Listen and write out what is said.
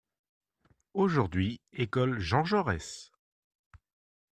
Aujourd’hui École Jean Jaurès.